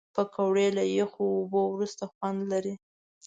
پکورې له یخو اوبو وروسته خوند لري